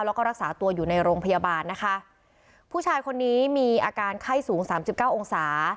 แล้วก็รักษาตัวอยู่ในโรงพยาบาลนะคะผู้ชายคนนี้มีอาการไข้สูงสามสิบเก้าองศา